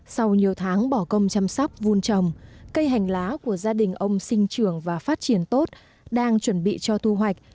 sau nhiều tháng bỏ công chăm sóc vun trồng cây hành lá của gia đình ông sinh trưởng và phát triển tốt đang chuẩn bị cho thu hoạch